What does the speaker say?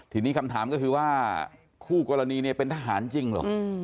ทีนี้คำถามก็คือว่าคู่กรณีเนี่ยเป็นทหารจริงเหรอ